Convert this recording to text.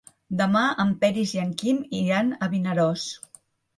Demà en Peris i en Quim iran a Vinaròs.